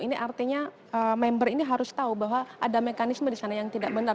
ini artinya member ini harus tahu bahwa ada mekanisme di sana yang tidak benar